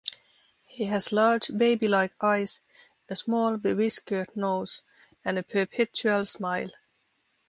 He has large, baby-like eyes, a small bewhiskered nose, and a perpetual smile.